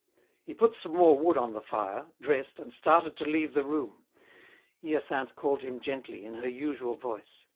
He put some more wood on the fire, dressed, and started to leave the room. Hyacinthe called him gently, in her usual voice.